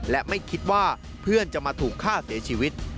และไม่คิดว่าเพื่อนจะมาถูกฆ่าเสียชีวิต